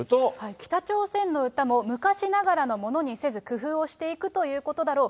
北朝鮮の歌も昔ながらのものにせず、工夫をしていくということだろう。